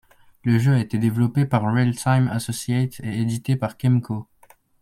Le jeu a été développé par Realtime Associates et édité par Kemco.